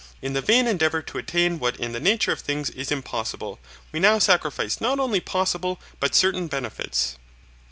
In the vain endeavour to attain what in the nature of things is impossible, we now sacrifice not only possible but certain benefits.